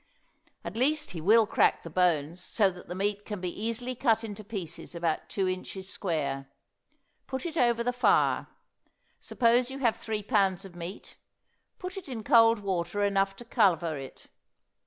At least he will crack the bones so that the meat can be easily cut in pieces about two inches square. Put it over the fire; suppose you have three pounds of meat; put it in cold water enough to cover it.